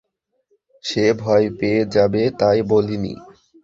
সে ভয় পেয়ে যাবে তাই বলিনি।